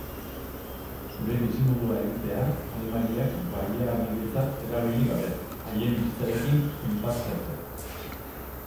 Zure bizimodua egitea animaliak baliabidetzat erabili gabe, haien bizitzarekin enpatizatzea.